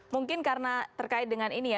mungkin karena terkait dengan ini ya